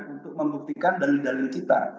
untuk membuktikan dalil dalil kita